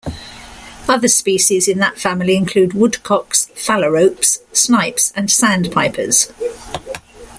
Other species in that family include woodcocks, phalaropes, snipes, and sandpipers.